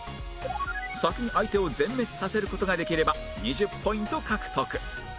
先に相手を全滅させる事ができれば２０ポイント獲得